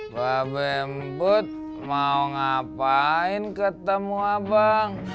babe emput mau ngapain ketemu abang